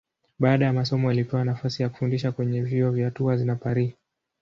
Baada ya masomo alipewa nafasi ya kufundisha kwenye vyuo vya Tours na Paris.